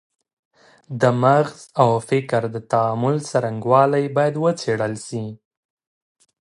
د مغز او فکر د تعامل څرنګوالی باید وڅېړل سي.